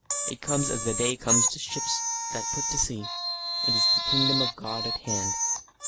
It comes as the day comes to the ships that put to sea. It is the Kingdom of God at hand.